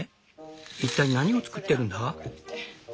一体何を作ってるんだ？